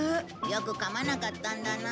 よく噛まなかったんだな。